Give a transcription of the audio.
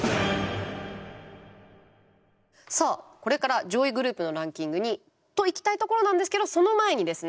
さあこれから上位グループのランキングにと行きたいところなんですけどその前にですね